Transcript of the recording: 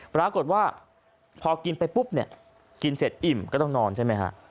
ปรากฏว่าพอกินไปปุ๊บเนี่ยกินเสร็จอิ่มก็ต้องนอนใช่ไหมฮะ